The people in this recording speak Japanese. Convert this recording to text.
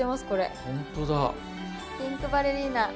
ピンクバレリーナ。